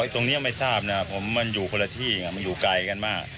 ตรงนี้ไม่ทราบนะผมมันอยู่คนละที่มันอยู่ไกลกันมาก